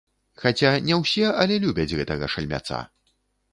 Хаця не ўсе, але любяць гэтага шальмяца.